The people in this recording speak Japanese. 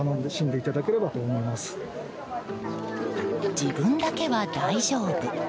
自分だけは大丈夫。